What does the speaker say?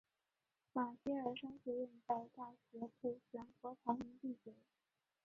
马歇尔商学院在大学部全国排名第九。